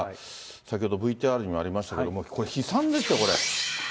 先ほどＶＴＲにもありましたけども、これ、悲惨ですよ、これ。